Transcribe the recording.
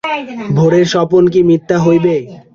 ভোরের স্বপন কি মিথ্যা হইবে।